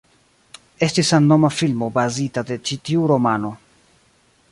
Estis samnoma filmo bazita de ĉi tiu romano.